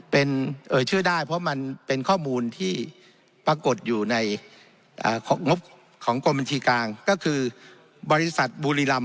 ประมาณ๔๓โครงการนะครับ